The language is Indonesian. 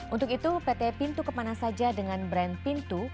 untuk itu pt pintu kemana saja dengan brand pintu